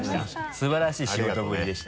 素晴らしい仕事ぶりでした。